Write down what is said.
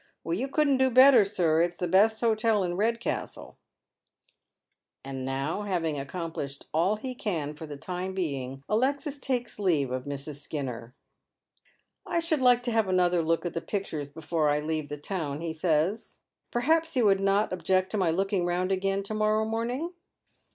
*' You couldn't do better, sir. It's the best hotel in Eedcastle." And now, having accomplished all he can for the time being, Alexis takes leave of Mrs. Skinner. " I should like to have another look at the pictures before 1 leave the town," he says. " Perhaps you would not object to my looking round again to morrow morning